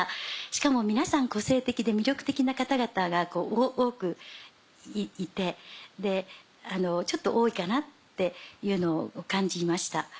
しかも皆さん個性的で魅力的な方々が多くいてちょっと多いかなっていうのを感じました。